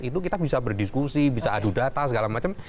itu kita bisa berdiskusi bisa adu data segala macam